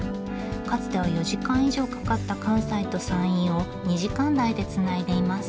かつては４時間以上かかった関西と山陰を２時間台でつないでいます。